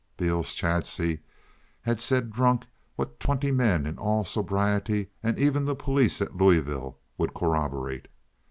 Beales Chadsey had said drunk what twenty men in all sobriety and even the police at Louisville would corroborate.